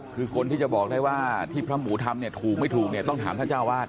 คือคนที่จะบอกได้ว่าที่พระหมูทำเนี่ยถูกไม่ถูกเนี่ยต้องถามท่านเจ้าวาด